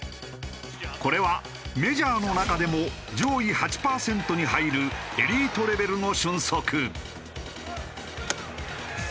これはメジャーの中でも上位８パーセントに入るエリートレベルの俊足。